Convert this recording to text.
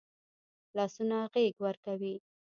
لاسونه غېږ ورکوي